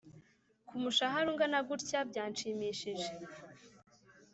kumushahara ungana guntya byanshimishije